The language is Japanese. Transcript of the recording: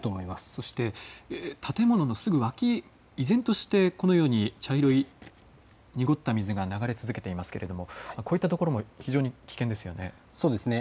そして建物の脇、依然として茶色い濁った水が流れ続けていますけれどもこういった所も危険ですよね。